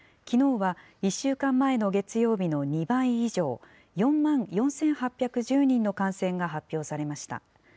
きのうは１週間前の月曜日の２倍以上、４万４８１０人の感染が発表されました。